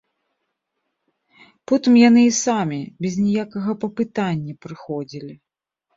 Потым яны і самі, без ніякага папытання, прыходзілі.